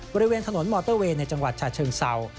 บริเวณถนนมอเตอร์เวย์ในจังหวัดชาเชิงเศร้า